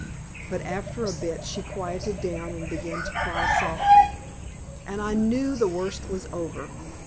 But after a bit she quieted down and began to cry softly, and I knew the worst was over.